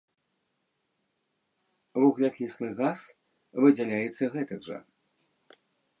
Вуглякіслы газ выдзяляецца гэтак жа.